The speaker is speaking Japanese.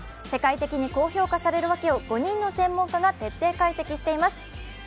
世界的に好評価されるわけを５人の専門家が徹底解析しています。